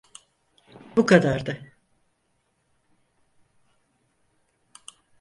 Bu kadardı.